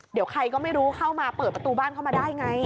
เดี๋ยวใครก็ไม่รู้เข้ามาเปิดประตูบ้านเข้ามาได้ไง